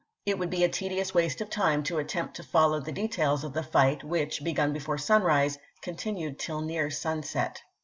It would be a tedious waste of time to at tempt to follow the details of the fight, which, begun before sunrise, continued till near sunset.